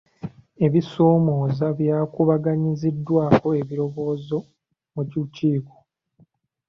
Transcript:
Ebisoomooza byakubaganyiziddwako ebirowoozo mu lukiiko.